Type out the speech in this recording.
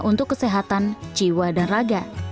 untuk kesehatan jiwa dan raga